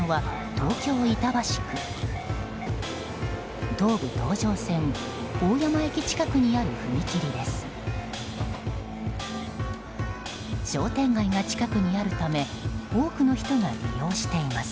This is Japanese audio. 東武東上線大山駅近くにある踏切です。